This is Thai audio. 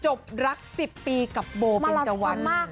จบรัก๑๐ปีกับโบเบนเจวัน